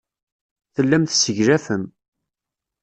Tellam tesseglafem.